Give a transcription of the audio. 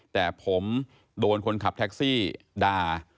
แต่ผมโดนคนขับแท็กซี่ด่า